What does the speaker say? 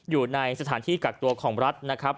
อยู่ในสถานที่กักตัวของรัฐนะครับ